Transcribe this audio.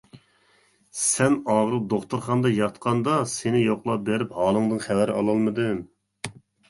سەن ئاغرىپ دوختۇرخانىدا ياتقاندا سېنى يوقلاپ بېرىپ ھالىڭدىن خەۋەر ئالالمىدىم.